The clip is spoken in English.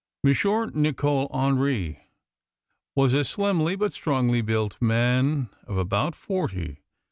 M. Nicol Hendry was a slimly but strongly built man of about forty.